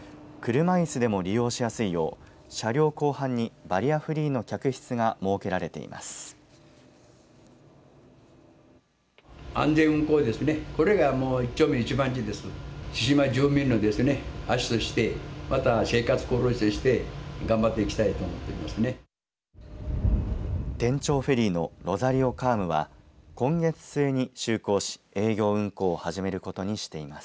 車いすでも利用しやすいよう車両甲板にバリアフリーの客室が設けられています。